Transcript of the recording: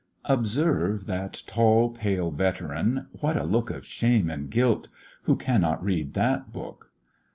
OBSERVE that tall pale Veteran! what a look Of shame and guilt! who cannot read that book?